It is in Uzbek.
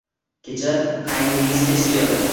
Kecha qayningiz kech keldi